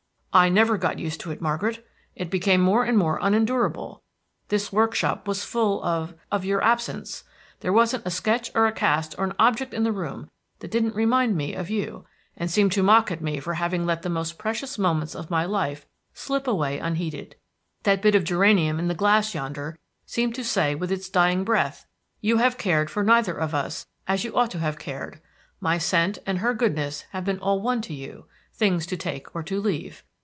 "I never got used to it, Margaret. It became more and more unendurable. This workshop was full of of your absence. There wasn't a sketch or a cast or an object in the room that didn't remind me of you, and seem to mock at me for having let the most precious moments of my life slip away unheeded. That bit of geranium in the glass yonder seemed to say with its dying breath, 'You have cared for neither of us as you ought to have cared; my scent and her goodness have been all one to you, things to take or to leave.